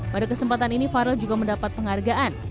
pada kesempatan ini farel juga mendapat penghargaan